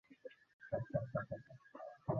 গোরা কোনো কথা না বলিয়া ঘর হইতে বাহির হইয়া গেল।